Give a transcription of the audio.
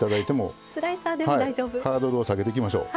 ハードルを下げていきましょう。